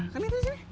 kan ini disini